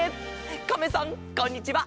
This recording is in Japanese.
カメさんこんにちは。